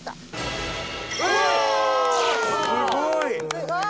すごい！